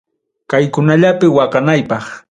Kaykunallapi waqanaypaq.